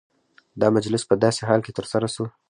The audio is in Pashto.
دا مجلس په داسي حال کي ترسره سو،